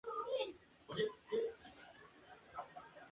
Actualmente reside entre La Habana y Lugano, Suiza